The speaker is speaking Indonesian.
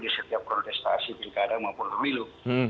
di setiap protestasi pilih kadang maupun pemilu